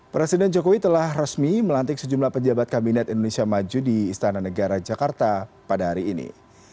presiden jokowi telah resmi melantik sejumlah pejabat kabinet indonesia maju di istana negara jakarta pada hari ini